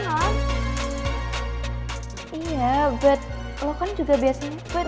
iya but lo kan juga biasanya